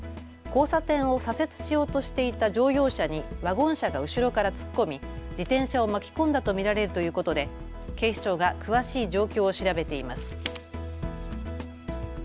交差点を左折しようとしていた乗用車にワゴン車が後ろから突っ込み自転車を巻き込んだと見られるということで警視庁が詳しい状況を調べています。